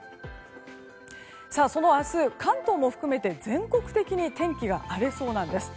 その明日関東も含めて全国的に天気が荒れそうなんです。